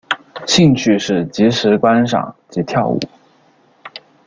兴趣是即时观赏及跳舞。